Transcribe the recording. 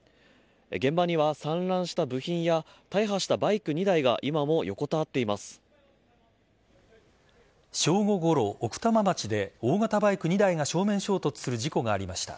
現場には散乱した部品や大破したバイク２台が正午ごろ、奥多摩町で大型バイク２台が正面衝突する事故がありました。